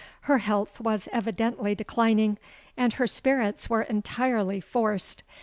Her health was evidently declining; and her spirits were entirely forced.